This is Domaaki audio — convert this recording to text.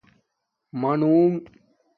مانونݣ